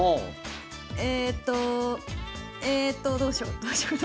えとえとどうしよう。